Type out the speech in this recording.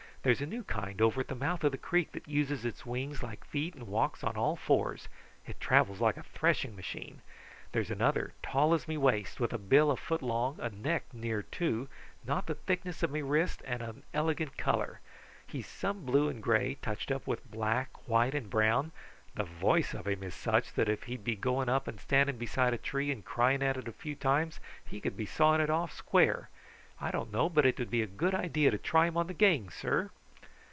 There's a new kind over at the mouth of the creek that uses its wings like feet and walks on all fours. It travels like a thrashing machine. There's another, tall as me waist, with a bill a foot long, a neck near two, not the thickness of me wrist and an elegant color. He's some blue and gray, touched up with black, white, and brown. The voice of him is such that if he'd be going up and standing beside a tree and crying at it a few times he could be sawing it square off. I don't know but it would be a good idea to try him on the gang, sir."